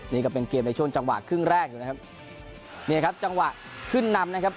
นี่ก็เป็นเกมในช่วงจังหวะครึ่งแรกอยู่นะครับเนี่ยครับจังหวะขึ้นนำนะครับ